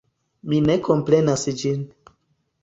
Mi ne komprenas ĝin.